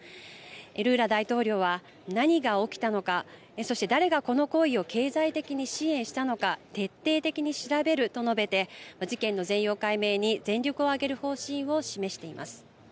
ルーラ大統領は何が起きたのかそして誰がこの行為を経済的に支援したのか徹底的に調べると述べて事件の全容解明に全力を挙げる方針を示しています。